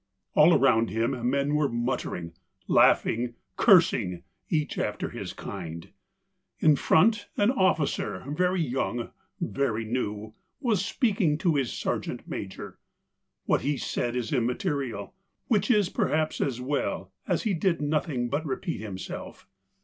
All around him men were muttering, laughing, cursing, each after his kind. In front an officer, very young, very new, was speaking to his sergeant major. What he said is immaterial — which is perhaps as well, as he did nothing but repeat himself.